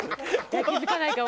気付かないかも。